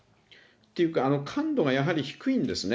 っていうか、感度がやはり低いんですね。